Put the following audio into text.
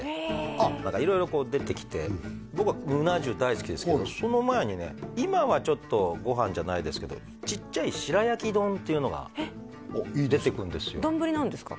色々こう出てきて僕はうな重大好きですけどその前にね今はちょっとご飯じゃないですけどちっちゃい白焼き丼っていうのが出てくるんですよ丼なんですか？